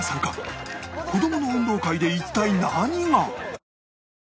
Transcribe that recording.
子供の運動会で一体何が？